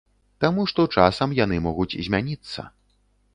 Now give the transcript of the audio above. Таму што часам яны могуць змяніцца.